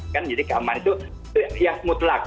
kan jadi keamanan itu yang mutlak